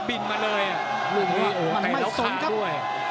๒ปินมาเลยลูกนี้โอ้โหแต่เล่าค่าด้วย